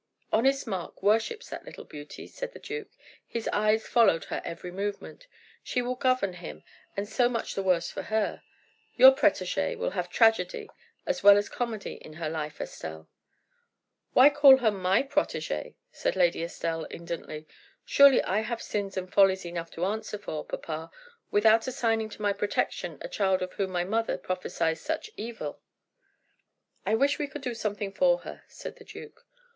"Honest Mark worships that little beauty," said the duke; "his eyes followed her every movement. She will govern him, and so much the worse for her. Your protegee will have tragedy as well as comedy in her life, Estelle." "Why call her my protegee?" said Lady Estelle, indolently. "Surely I have sins and follies enough to answer for, papa, without assigning to my protection a child of whom my mother prophesies such evil." "I wish we could do something for her," said the duke.